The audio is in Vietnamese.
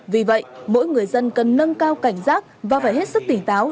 vì vậy mỗi người dân cần nâng cao cảnh giác và phải hết sức tỉnh táo